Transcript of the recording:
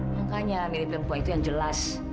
makanya mirip perempuan itu yang jelas